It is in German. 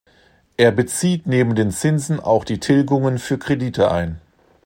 Er bezieht neben den Zinsen auch die Tilgungen für Kredite ein.